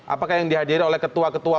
apakah yang dihadiri oleh ketua ketua